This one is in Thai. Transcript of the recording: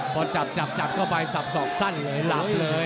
พอจับจับเข้าไปสับสอกสั้นเลยหลับเลย